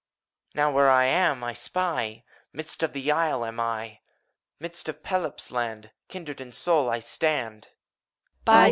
Now, where I am, I spy I Midst of the Isle am I : Midst of Pelops' land, Kindred in soul, I standi OHOBUS.